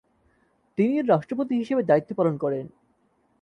তিনি এর রাষ্ট্রপতি হিসেবে দায়িত্ব পালন করেন।